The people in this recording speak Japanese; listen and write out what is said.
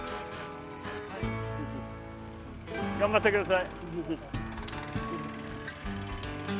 頑張って下さい。